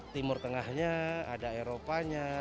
timur tengahnya ada eropanya